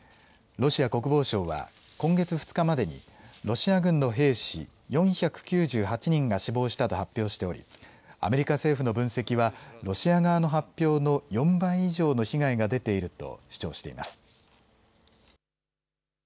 ロシア国防省は今月２日までにロシア軍の兵士４９８人が死亡したと発表しておりアメリカ政府の分析はロシア側の発表の４倍以上の被害が出ていると主張しています。